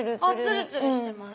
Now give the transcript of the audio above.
ツルツルしてます！